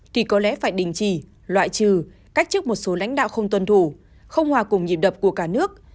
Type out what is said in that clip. thì có lẽ phải đình chỉ loại trừ cách trước một số lãnh đạo không tuần thủ không hòa cùng nhiệm đập của cả nước